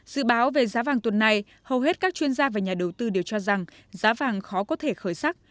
dự báo về giá vàng tuần này hầu hết các chuyên gia và nhà đầu tư đều cho rằng giá vàng khó có thể khởi sắc